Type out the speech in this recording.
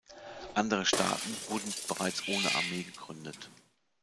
Andere Staaten wurden bereits ohne Armee gegründet.